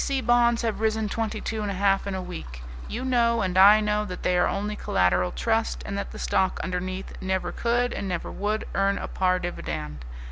'T.C. Bonds have risen twenty two and a half in a week. You know and I know that they are only collateral trust, and that the stock underneath never could and never would earn a par dividend.